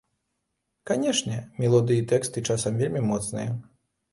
Канечне, мелодыі і тэксты часам вельмі моцныя.